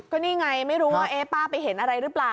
ก็นี่ไงไม่รู้ว่าป้าไปเห็นอะไรหรือเปล่า